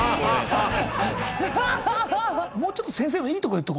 もうちょっと先生のいいとこ。